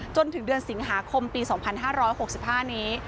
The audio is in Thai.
จนถึงเดือนสิงหาคมปี๒๕๖๕นี้